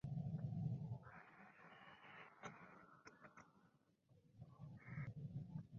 It became known as an "opinion paper".